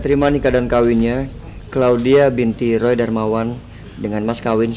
terima nikah dan kawinnya claudia binti roy darmawan dengan mas kawin